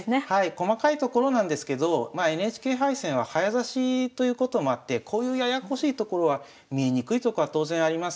細かいところなんですけどＮＨＫ杯戦は早指しということもあってこういうややこしいところは見えにくいとこは当然あります。